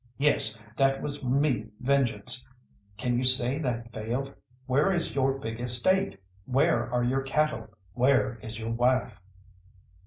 Yes, that was me vengeance; can you say that failed? Where is your big estate? Where are your cattle? Where is your wife?"